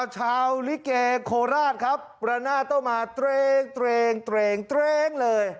ชาวลิเกโคราชครับประนาทต้องมาเตรงเตรงเลย